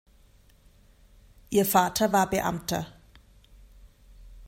Ihr Vater war Beamter.